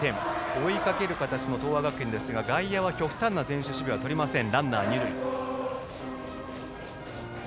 追いかける形の東亜学園ですが外野は極端な前進守備はとりません。